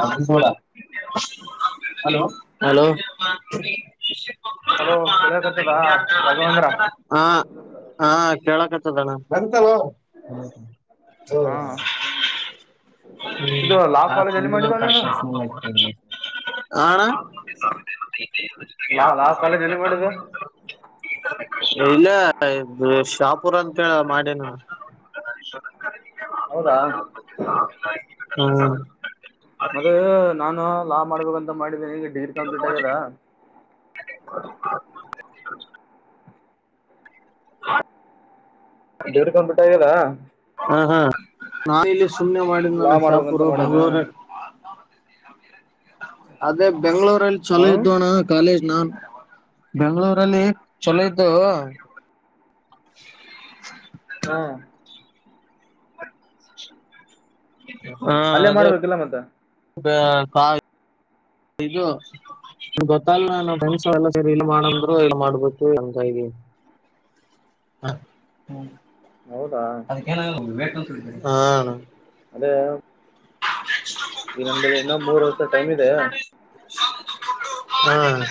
ಕಂಸೋಳ hello hello hello ಕೇಳಕತ್ತದ ರಾಘವೇಂದ್ರ ಹ ಹ ಕೇಳಕ್ತ್ತದಣ್ಣ ಹ್ಮ ಹ ಹಾ ಇದು ಹ್ಮ್ ಲಾ ಕಾಲೇಜ್ ಎಲ್ಲಿ ಹಸ್ಬಂಡ ಮಾಡಿದ ನೀನು ಕರ್ಷಾಸತ ಆಣ [inaudible] ಲಾ ಲಾ ಕಾಲೇಜ್ ಎಲ್ಲಿ ಮಾಡಿದೆ ಇಲ್ಲ ಶಾಪುರ ಅಂತ ಹೇಳ ಮಾಡೇನು ರಿಶೋಧ [inaudible] ಹೌದಾ ಹ್ಮ್ ಅದು ನಾನು ಮಾಡ್ಬೇಕಂತ ಮಾಡಿದ್ದೀನಿ ಈಗ ಡಿಗ್ರಿ ಕಂಪ್ಲೀಟ್ ಆಗ್ಯದ [inaudible] ಡಿಗ್ರಿ ಕಂಪ್ಲೀಟ್ ಆಗ್ಯದಾ ಹಾ ಹಾ ನಾನ ಇಲ್ಲಿ ಸುಮ್ಮ್ನೆ ಮಾಡಿದ ಲಾ ನನ ಮಾಡ್ಬೇಕಂತ ಶಾಪೂರು ಮಾಡೇನ ಬೆಂಗಗಳೂರ ಅದೇ ಬೆಂಗಗಳೂರಲ್ಲಿ ಚಲೋ ಹ್ಮ್ ಇದುವಣ್ಣ ಕಾಲೇಜ್ ನಾನ್ ಬೆಂಗಳೂರಲ್ಲಿ ಚಲೋ ಇದ್ದು ಹ್ಮ್ ಅಲ್ಲೇ ಮಾಡ್ಬೇಕಲ್ಲ ಮತ್ತೆ ದು [unintelligible] ಗೊತ್ತಲ್ ನ ನಡ್ಸ ಎಲ್ಲ ಸರಿ ಇಲ್ಲಿ ಮಾಡಂದ್ರು ಇಲ್ ಮಾಡ್ಬೇಕು ಎನ್ ಹ ಹ್ಮ ಹೌದಾ ಅದ ಹ ಅದೇ [inaudible] ಈಗ ನನ್ ಬೆ [unintelligible] ಇನ್ನ ಮೂರ್ ವರ್ಷ ಟೈಮ್ ಇದೆ ಹ್ಮ್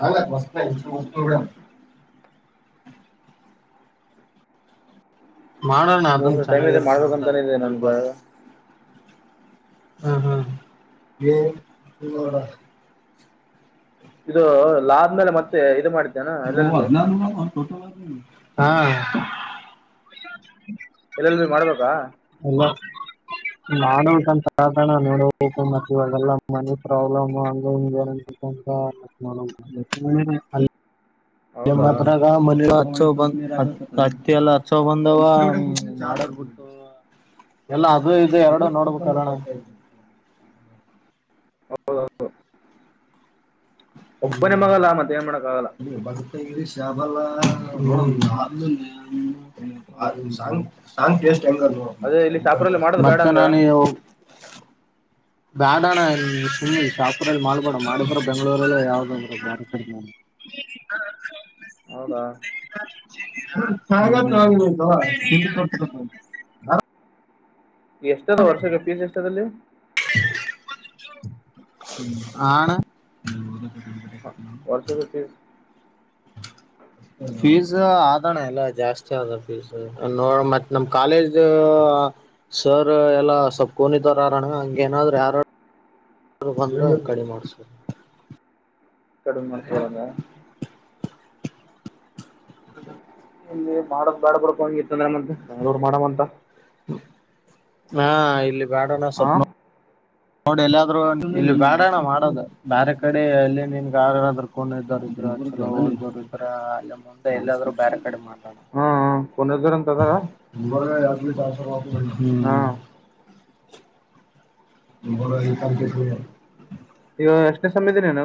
ಚ ಮಸ್ತ ಇ [unintelligible] ಮಾಡಣ ಮೂರ್ ಅದನ್ ವರ್ಷ ಟೈಮ್ ಇದೆ ಚೆನ್ನಾಗಿರುತ್ತ ಮುಂದ ಮಾಡ್ಬೇಕಂತಾನೆ ಇದೆ ಸ್ಲ್ಪ ನನ್ಗ ಹ್ಮ ಹಾ [unintelligible] ಇದು ಲಾದ್ಮೇಲೆ ಮತ್ತೆ ಇದು ಮಾಡ ಆಹ ಎಲ್ಲೆಲ್ ಬಿ ಮಾಡಬೇಕಾ ಅಲ್ಲ ನಾನು ಸ ತ ತಾಣ ನೋಡಬೇಕು ಮತ್ತ ಇವಾಗಲ್ಲ ಮನೆ ಪ್ರಾಬ್ಲಮ್ ಹಂಗ [inaudible] ಹೌದಾ ಮಾತ್ರ ಮ ಹಚ್ಚ ಬಂದ್ ಅತ್ತ ಎಲ್ಲ ಹಚ್ಚ ಬಂದವ ಎಲ್ಲ ಅದು ಇದು ಎರಡು ನೋಡ್ಬೇಕು ಅಲ್ಲೋಣ ಅಂತ ಹೇಳಿ ಹೌದ ಹೌದು [inaudible] ಒಬ್ಬನೇ ಮಗಲ್ಲ ಮತ್ತೆ ಏ ಮಾಡೋಕ್ಕಾಗಲ್ಲ ಶಬಲ [unintelligible] ಸಾಂಗ್ ಸಾಂಗ್ ಟೇಸ್ಟ್ ಹೆಂಗ ಅದೇ ಇಲ್ಲಿ ಶಾಪುರಲ್ಲಿ ಮಾಡೋದು [unintelligible] ಬೇಡ ಮತ್ತೆ ಅಂದ ನಾನ [inaudible] ಬ್ಯಾಡ ಅಣ್ಣ ಸುಮ್ನೆ ಶಾಪುರಲ್ಲಿ ಮಾಡಲ್ಬಡಣ ಮಾಡಿದ್ರ ಬೆಂಗ್ಳೂರಲ್ಲ ಯಾವ್ದಂದ್ರರು ಬ ಕ ಹ [unintelligible] ಹೌದಾ ಸಾಗ ಆಲ್ವಾ ಕೊ [unintelligible] ಎಷ್ಟದ ವರ್ಷಕ್ಕೆ ಫೀಸ್ ಎಷ್ಟದಲ್ಲಿ ಆಣ ವರ್ಷಕ್ಕೆ ಫೀಸ್ ಫೀಸ್ ಆದಣ ಅಲ್ಲ ಜಾಸ್ತಿ ಆದ ಫೀಸ್ ನೋ ಮತ್ತ ನಮ್ ಕಾಲೇಜ ಸರ್ ಎಲ್ಲಾ ಸಪ್ಕೊಂಡಿದಾರ ಅರಣ್ಣ ಹಂಗೇನಾದ್ರ ಯಾರ ಒಂದ್ರ ಕಡಿಮ ಮಾಡ ಸರ್ ಕಡಮ ಮಾಡ್ಸ್ಕೊಳಣ ಇಲ್ಲಿ ಮಾಡದ ಬ್ಯಾಡ್ ಬರ್ಕ ಹಂಗಿತ್ತಂದ ಏನಂತೆ ಯಾವ್ರು ಮಾಡವಂತ ಹಾ ಇಲ್ಲಿ ಬ್ಯಾಡಣ ಹಾ ಸ್ವಪ್ ನೋಡಿ ಎಲ್ಲಾದ್ ಇಲ್ಲಿ ಬಾರಣ್ಣ ಮಾಡೋದು ಬೇರೆ ಕಡೆ ಎಲ್ಲಿ ನಿನ್ ಆಾರಾದರು [unintelligible] ಇದ್ರವರು ಇದ್ರ ಅಲ್ಲಿ ಮುಂದೆ ಎಲ್ಲಾದ್ ಬೇರೆ ಕಡೆ ಮಾತಾಡ [unintelligible] ಹ್ಮ್ ಪನರ ಜೋರ ಅಂತ ಅದಾರ ಬರ ಅದಲಿ ತಾಸ ಹ್ಮ ಹಾ ಬರ ನಿಕಾಲತ ಈಗ ಎಷ್ಟನೇ ಸಮಯದಿನೇನ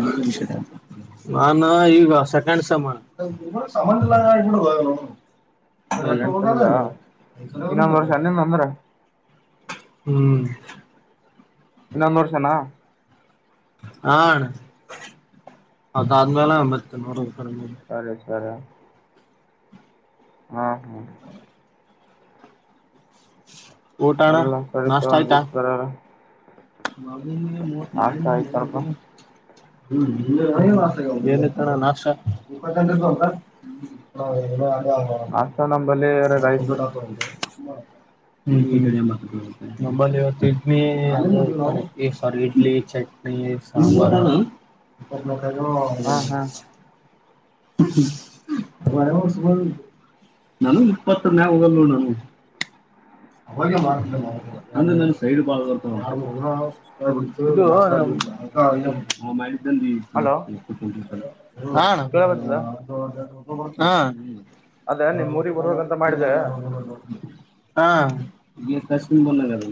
ಹಷ ನಾನ ಈಗ ಸೆಕೆಂಡ್ ಸಮಾನ ಅ ಸೆಕೆಂಡ್ ತೋದಸ ಹ ನಂದ್ರ ಹ್ಮ್ ಇನ್ನೊಂದ್ ವರ್ಷನಾ ಹಾ ಅದಾದ್ಮೇಲೆಂಬರ್ತ ನ ಕ ಸರಿ ಸರ ಹಾ ಊಟ ಅಣ್ಣ ಎಲ್ಲ ಸರಿ ತಗತರಲ್ಲ ಮ ನೀ ಮತ್ ಮಾಡ ನೀ ಮ ಹೋಗ ಹ್ಮ ತ ನಾ ಅ ನಾಷ್ಟ ನಂಬಲ್ಲಿ ಕಂ ರೈಸ್ ಹ್ಮ್ ಹ ಇವತ್ತುಮಿ ಸರಿ ಇಡ್ಲಿ ಚಟ್ನಿ ಸಾಂಬಾರ್ ಹಾ ಹಾ ಬಸಗಲ್ ನಾನು ಇಪ್ಪತ್ತನೇ ಹೋಗಲ್ ನಾನು ಅವಾಗ ನ ನ ಸೈಡ್ ಬಾ ಬರ್ತ ಮಾಡ ವಸ್ ಇದು ಹಲೋ ಕೇಳಬತ್ತದ ಅದ ನಿಮ್ ಊರಿಗೆ ಬರ್ಬೇಕಂತ ಮಾಡಿದೆ [unintelligible] ಅ ಹಾ ಗ ಕಶನ್ ಬಬೇಕ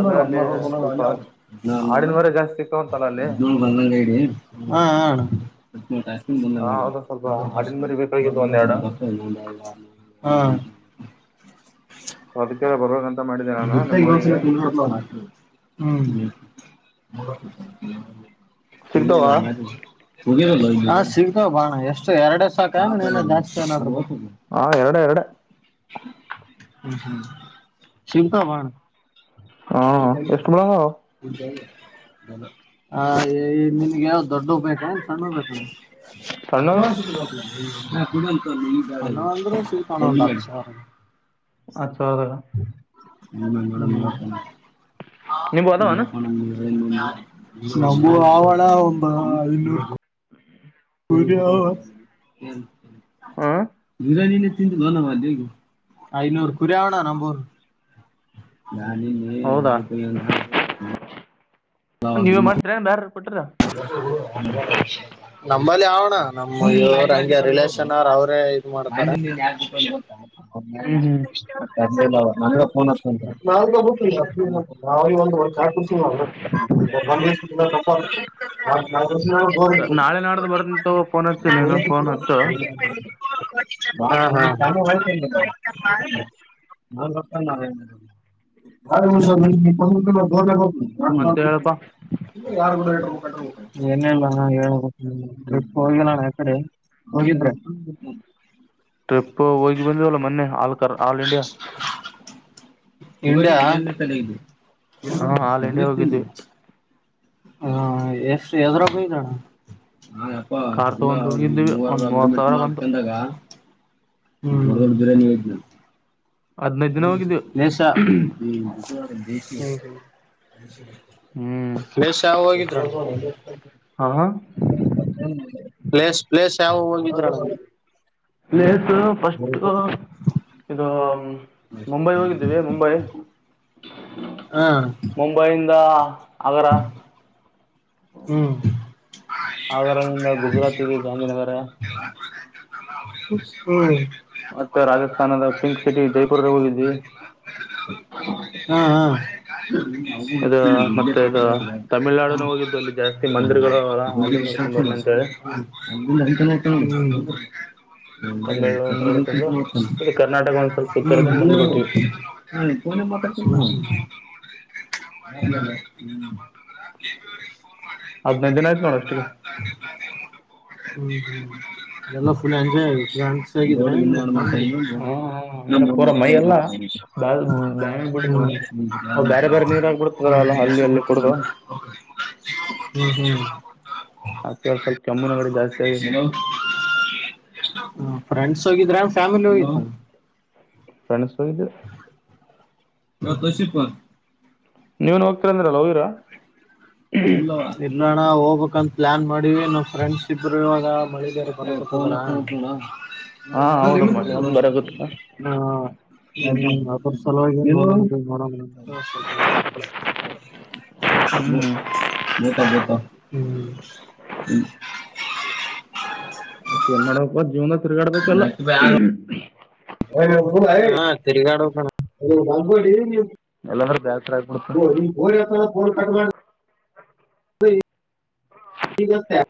ಅದ್ರಲ್ಲಿ ಸ್ವಲ್ಪ ಆಡಿನ ಮರಿ ಬಂದತ್ನ ಜಾಸ್ತಿ ಸಿಕ್ತಾವಂತಲ್ಲ ಅಲ್ಲಿ ಬ ಅ ಇ ಆ ಅದು ಸ್ವಲ್ಪ ಆಡಿನ ಹ ಮರಿ ಬೇಕಾಗಿದ್ದು ಒಂದೆರಡು ಕಷ್ಟ ಹ ಅದಕ್ಕೆಡೆ ಬರ ಗುರ್ತ ಬಸ ತು ಹ್ಮ್ ಸಿಗ್ತಾವ ಹ್ಮ್ಲ್ಲ ಸಿಗ್ಗತವ ಬಾಣ ಎಷ್ಟು ಎರಡೆ ಸಾಕಮ ನೀವ ಜಾಸ್ತಿ ಏನಡ್ರ ಹಾ ಎರಡು ಎರಡು ಹ ಹ್ಮ ಶವತ ಬಣ ಹಾ ಕ ಎಷ್ಟು ಬಿಡೋದು ಬ ನಿನ್ಗೆ ಯಾವ್ದ್ ದೊಡ್ಡ ಬೇಕಾ ಸಣ್ಣ ಬೇಕ ಸಣ್ಣ ಕೂಡ ಅ ಅಂದ್ರೆ ತ ಹತ್ತು ಸಾವಿರದಾಗ ಹ ನಿಮ್ಗ ನ ಅದಾವನ ಪಣ ನಮು ಆ ಒಳ ಒಂದು ಇನ್ನೂ ಹ್ಮ್ ರಾನ ಹ್ಮ್ ತಿು ಬಲ್ಲ ಮಾಡದ ಐನೂರು ಕುರಿ ಆವಣ ನಂಬೂರು ನಾನ ಹೌದಾ ನೀವೇ ಮಾಡ್ತರಾ ಬೇರ ಕೊಟ್ಟ್ರಾ ಅ್ರಷ ನಮ್ಮಲ್ಲಿ ಅವಣ್ಣ ನಮ್ಮ ಇವ್ರ ಹಗೆ ರಿಲೇಷನ್ ಅವ್ರ ಅವ್ರೇ ಇದು ಮಾಡ್ತಾರೆ ಹ್ಮ್ ಹ್ಮ್ [unintelligible] ಕೆಲಸ ಇಲ್ಲ ಮನೆಗೆ ಫೋನ್ [unintelligible] [unintelligible] ಸರ್ ನಾಳೆ ನಾಡ್ದು ಬರ್ತೀನಿ ತಗೋ ಫೋನ್ ಹಚ್ಚು ನೀನು ಫೋನ್ ಹಚ್ಚು [unintelligible] [unintelligible] [unintelligible] ಮತ್ತೆ ಹೇಳಪ್ಪ [unintelligible] ಏನಿಲ್ಲ ಅಣ್ಣ ಹೇಳಬೇಕು ನೀನೇ ಟ್ರಿಪ್ ಹೋಗಿಲ್ಲ ಅಣ್ಣ ಯಾವಕಡೆ ಹೋಗಿದ್ರೆ ಟ್ರಿಪ್ ಹೋಗಿ ಬಂದವಲ್ಲ ಮೊನ್ನೆ ಆಲ್ ಕರ್ ಆಲ್ ಇಂಡಿಯಾ ಹಾ ಆಲ್ ಇಂಡಿಯಾ ಹೋಗಿದ್ವಿ [unintelligible] ಹ ಎಷ್ಟು ಎದ್ರಾಗ ಹೋಗಿದಣ್ಣ ಪ್ಪಾ ಕಾರ್ ಎಲ್ಲ ತಗೊಂಡ್ ಹೋಗಿದ್ವಿ ಒಂದ್ ಮೂವರದು ಮೂವತ್ ಅಗ್ರಿಮೆಂಟ್ ಸಾವಿರ ಬಂತು ಮಾಡ್ಕಂದಾಗ ಹ್ಮ್ ಹದ್ನೈದ್ ದಿನ ಹೋಗಿದ್ವಿ ಪ್ಲೇಸ್ ಹ್ಮ್ ಪ್ಲೇಸ್ ಯಾವಯವ ಹೋಗಿದ್ರಣ್ಣ ಹಾ ಎಸ್ಟ್ ಪ್ಲೇಸ್ ಪ್ಲೇಸ್ ಯಾವ ಹೋಗಿದ್ರಣ್ಣ ಪ್ಲೇಸ್ ಫಸ್ಟ್ ಇದು ಮುಂಬೈ ಹೋಗಿದ್ದೇವಿ ಮುಂಬೈ ಹಾ ಮುಂಬೈಯಿಂದ ಅಗರ ಹ್ಮ್ ಆಗರದಿಂದ ಗುಜರಾತಿಗೆ ಗಾಂಧಿನಗರ ಹ್ಮ್ ಮತ್ತೆ ರಾಜಸ್ಥಾನದ ಪಿಂಕ್ ಸಿಟಿ ಜೈಪುರ್ ಹೋಗಿದ್ವಿ ಹಾ ಹಾ ಇದು ಮತ್ತೆ ಇದು ತಮಿಳ್ನಾಡುನು [unintelligible] ಕಲುರ್ಲಿ ಅಂತ ಹೇಳಿ [unintelligible] [unintelligible] ತಮಿಳು ನೋಡ್ಕೊಂಡು ಇದು ಕರ್ನಾಟಕ ಒಂದ್ ಸ್ವಲ್ಪ ಸುತ್ತಾಡ್ಕೊಂಡ್ ಬಂದ್ಬಿಟ್ಟಿವಿ ಫೋನ್ ಮಾತಾಡ್ಸಿಲ್ಲ ಹ್ಮ್ ಆಮೇಲೆ ಅಂದ್ರ ಕೆಇಬಿ ಅವ್ರಿಗೆ ಫೋನ್ ಮಾಡ್ರಿ ಹದಿನೈದು ದಿನ ಆಯ್ತು ನೋಡು ಅಷ್ಟಿಗೆ ಹ್ಮ್ ಹ್ಮ್ ಎಲ್ಲ ಫುಲ್ ಎಂಜಾಯ್ [unintelligible] ಹಾ ಅಂದ್ರೆ ಊರ್ ಪೂರಾ ಮಾತ್ರ ಹೇಗ್ ಮೈಯಲ್ಲ ಬರ್ತದೆ ಬ್ಯಾನಿ ಬ್ಯಾನಿ ಆಗಿ ಬಿಟ್ಟು ಅಂದ್ರೆ ಹಲೋ ಅವ್ ಬೇರೆ ಬೇರೆ ನೀರ ಆಗ್ಬಿಡ್ತ ಅಲ್ಲ ಅಲ್ಲಿ ಅಲ್ಲಿ ಕುಡುದು ಹ್ಮ್ ಹ್ಮ್ ಅದಿಕ್ಕೆ ಸ್ವಲ್ಪ ಕೆಮ್ಮು ನೆಗಡಿ ಜಾಸ್ತಿ ಆಗ್ಯಾದ ಹ ಫ್ರೆಂಡ್ಸ್ ಹೋಗಿದ್ರಾ ಫ್ಯಾಮಿಲಿ ಹೋಗಿದ್ರ ಫ್ರೆಂಡ್ಸ್ ಹೋಗಿದ್ವಿ ಇವತ್ತು ಫಸ್ಟ್ ಶಿಫ಼್ಟ್ ಆ ನೀವ್ ಹೋಗ್ತಿವಿ ಅಂದ್ರಲ್ಲ ಹೋಗಿದ್ರ ಇಲ್ಲ ಅಣ್ಣ ಹೋಗ್ಬೇಕಂತ ಪ್ಲಾನ್ ಮಾಡೀವಿ ನಮ್ಮ್ ಫ್ರೆಂಡ್ಸ್ ಇಬ್ರು ಇವಾಗ ಮಳೆ ಬೇರೆ ಹಾ ಹೌದ ನಿಮಗ್ ಮಳಿ ಬಿಟ್ಟಿವೋ. ಒಂದ್ ಬರಕತ್ತ ಹಾ ಅದರ ಸಲೆಗ ಅದೀವಿ ನೋಡುಮು ಅಂತ. ಹ್ಮ್ [inaudible] [inaudible] ಏನ್ ಮಾಡದು ಪಾ ಜೀವನ ತಿರ್ಗಾಡ್ಬೇಕಲ್ಲ. ಹಾ ತಿರಗಾಡ್ಬೇಕು ಅಣ್ಣ. ಇಲ್ಲ ಅಂದ್ರ್ ಬ್ಯಾಸ್ ಹೋ ನೀ ಫೋನ್ ಎತ್ತನ ಫೋನ್ ಕಟ್ ಮಾಡಿ. [inaudible] [inaudible]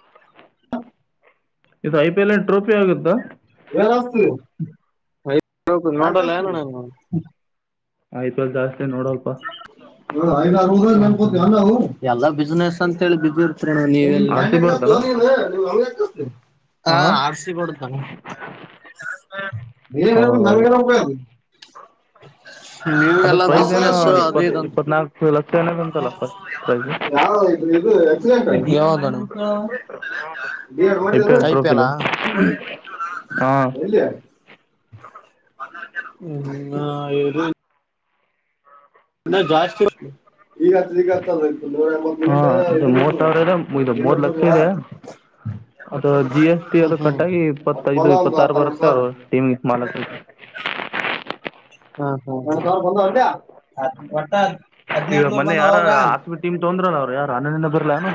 ಈದು ಐ ಪಿ ಎಲ್ ಟ್ರೋಫಿ ಆಗುತ್ತಾ. ನೋಡಿಲ್ಲೆನ್ ಅಣ್ಣ ನೀನು. ಐ ಪಿ ಎಲ್ ಜಾಸ್ತಿ ನೋಡಲ್ಲ ಪಾ. ಎಲ್ಲಾ ಬಿಸ್ನೆಸ್ ಅಂತ ಹೇಳಿ ಬಿಜಿ. ಹಾ ನೀವೆಲ್ಲಿ ಆರ್ ಸಿ ಬಿ ಆಡ್ತಲ್ಲ [unintelligible] ಹಾ ಆರ್‌ಸಿಬಿ ನೋಡ್ತಾನ್ನ ಹೌದೌದು [unintelligible] ಅದ್ರ ಪ್ರೈಸ್ ಏನೋ ಇಪ್ಪತ್ ಇಪ್ಪತ್ನಾಲ್ಕು ಲಕ್ಷ ಏನು. ಯಾವಾಗ್ ಅಣ್ಣ. ಐ ಪಿ ಎಲ್ ಹ. ಹಾ ಹ್ಮಾ ಇದು. ಜಾಸ್ತಿ [unintelligible] ಹಾ ಇದ ಇದು ಬಿರ್ತದ ಮೂರ್ ಸಾವಿರ ಇದೆ ಇದು ಲಿಮಿಟ್ ಮೂರ್ ಲಕ್ಷ ಬಿರ್ತದ ಇದೆ. ಅದ ಜಿ ಎಸ್ ಟಿ ಹ್ಮ್ ಅದು ಹ್ಮ್ ಕಟ್ಟಾಗಿ ಮತ್ ಬಂದ ಇಪ್ಪತ್ತೈದು ಒಂದು ಇಪ್ಪತ್ತಾರು ಹತ್ತ ಬರುತ್ತೆ ಅವರು ಹನ್ನೆರಡು ಟೀಮ್ಗೆ ಇದ್ ಮಾಡುದ್ರೆ. [unintelligible] ಮೊನ್ನೆ ಬಂದ ಯಾರ್ ಅವಾಗ ಆರ್‌ಸಿಬಿ ಟೀಮ್ ತೊಂದ್ರಲ್ಲ ಅವ್ರು ಯಾರು ಅನನ್ಯ ಬಿರ್ಲಾ ಏನು.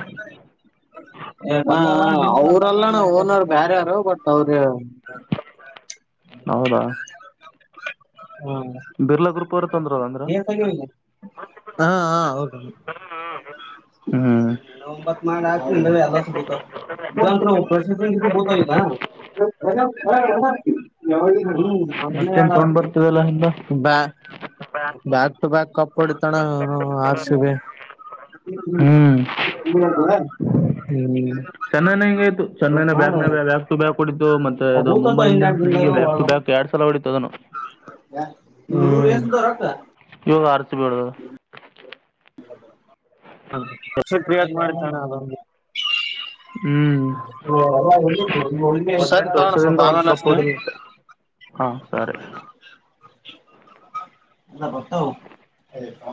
ಅವ್ರಲ್ಲಣ ಓನರ್ ಬೇರೆ ಯಾರೋ ಬಟ್ ಅವ್ರ. ಹೌದಾ. ಬಿರ್ಲಾ ಗ್ರೂಪ್ ಅವರು ತೊಂದ್ರಲ್ಲ ಹ್ಮ. ಅಂದ್ರ ಹಾ ಹ ಹ್ಮ್. [inaudible] [unintelligible] ಮತ್ತೇನ್ ಸೌಂಡ್ ಬರ್ತಿದ್ದಲ್ಲ ನಿಂದು. ಬ್ಯ ಬ್ಯಾಕ್ ಟು ಬ್ಯಾಕ್ ಕಪ್ ಹೋಡಿತ್ತು ಅಣ್ಣ ಆರ್‌ಸಿಬಿ. ಹ್ಮ್ ಹ್ಮ್ ಚೆನ್ನೈನ ಹೆಂಗೆತ್ತು ಇವತ್ ಚನ್ನೈನ ಮಾಡ ಬ್ಯಾಕ್ ಬ್ಯಾಕ್ ಟು ಬ್ಯಾಕ್ ಹೊಡತು ಮತ್ತೆ ಆ ಇದು ಭೂತತ ಮುಂಬೈ ಇನ್ನೆರಡು ಇಂಡಿಯನ್ಸ್ ದಿನದಾಗ ಬ್ಯಾಕ್ ಟು ಬ್ಯಾಕ್. ಎರಡು ಸಲ ಹೊಡಿತೂ ಅದುನು. ಹ್ಮ್ ಇವಾಗ ಆರ್ಸಿಬಿ ಹೊಡೆದದ. ವೆಬ್ಸೈಟ್ ಕ್ರಿಯೇಟ್ ಮಡಿದು ಅಣ್ಣ ಅದು. ಹ್ಮ್ ಹದಿನೆಂಟು ವರ್ಷದಿಂದ ಒಂದ್ ಕಪ್ [unintelligible] ಹೊಡಿಲಿಲ್ಲ ಹಾ ಸರಿ ಹಾ ಗೊತ್ತು [unintelligible]